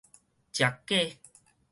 食粿